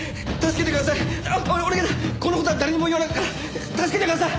この事は誰にも言わないから助けてください！